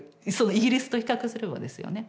イギリスと比較すればですよね。